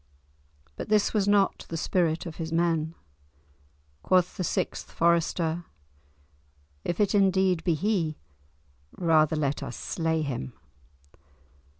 But this was not the spirit of his men. Quoth the sixth Forester, "If it indeed be he, rather let us slay him."